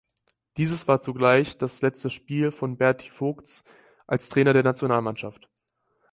Dieses war zugleich das letzte Spiel von Berti Vogts als Trainer der Nationalmannschaft.